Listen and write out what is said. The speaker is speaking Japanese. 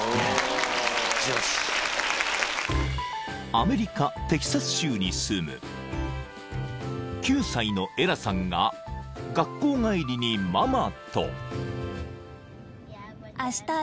［アメリカテキサス州に住む９歳のエラさんが学校帰りにママと］